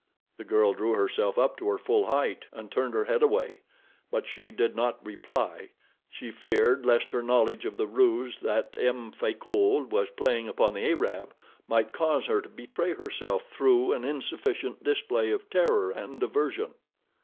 The girl drew herself up to her full height, and turned her head away; but she did not reply. She feared lest her knowledge of the ruse that M. Frecoult was playing upon the Arab might cause her to betray herself through an insufficient display of terror and aversion.